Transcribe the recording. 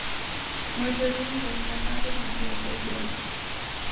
Moitos din que aínda falta concienciación.